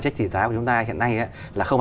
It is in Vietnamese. trách tỷ giá của chúng ta hiện nay là không